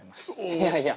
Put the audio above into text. いやいや。